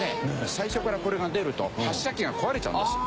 最初からこれが出ると発射機が壊れちゃうんですよ。